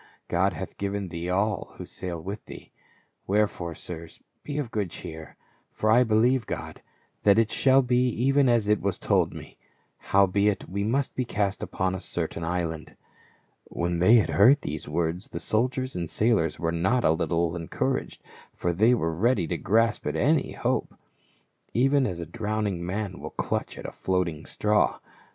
God hath given thee all who sail with thee ; wherefore, sirs, be of good cheer ; for I believe God, that it shall be even as it was told me. Howbeit, we must be cast upon a certain island." When they had heard these words the soldiers and sailors were not a little encouraged, for they were ready to grasp at any hope, even as a drowning man will clutch at a floating straw.